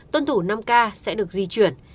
tuân thủ năm k sẽ được di chuyển